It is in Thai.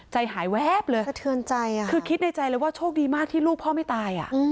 ใจหายแวบเลยสะเทือนใจคือคิดในใจเลยว่าโชคดีมากที่ลูกพ่อไม่ตาย